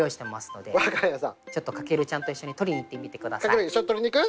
翔一緒に取りに行く？